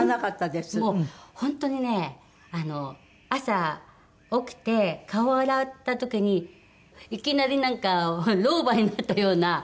もう本当にね朝起きて顔を洗った時にいきなりなんか老婆になったような。